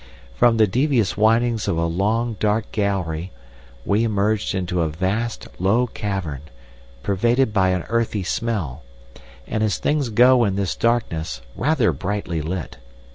From the devious windings of a long, dark gallery, we emerged into a vast, low cavern, pervaded by an earthy smell, and as things go in this darkness, rather brightly lit.